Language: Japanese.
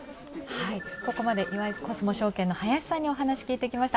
ここまで岩井コスモ証券の林さんにお話を聞いてきました。